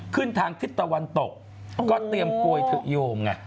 ขึ้นทางทิศตะวันตกก็เตรียมโกยเถอะโยมไง